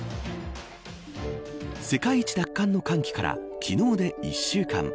世界一奪還の歓喜から昨日で１週間。